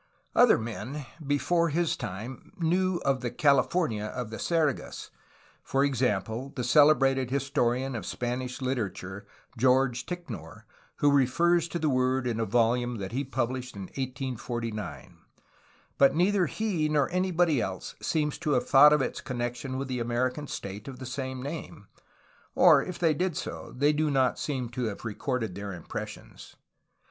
Other men before his time knew of the "California" of the Sergas, — for example, the celebrated historian of Spanish literature George Ticknor, who refers to the word in a volume that he pubhshed in 1849, — ^but neither he nor anybody else seems to have thought of its connection with the Amer ican state of the same name, or, if they did so, they do not seem to have recorded their impressions.